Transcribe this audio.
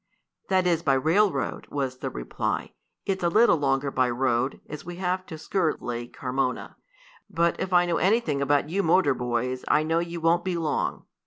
"That is by railroad," was the reply. "It's a little longer by road, as we have to skirt Lake Carmona. But if I know anything about you motor boys I know you won't be long."